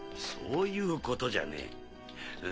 そういうことじゃねえ。